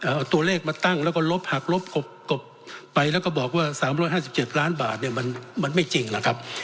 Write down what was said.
เอาตัวเลขมาตั้งแล้วก็ลบหักลบกบกบไปแล้วก็บอกว่า๓๕๗ล้านบาทเนี่ยมันไม่จริงนะครับ